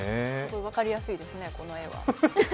分かりやすいですね、この画は。